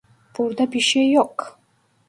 Burada birşey yok.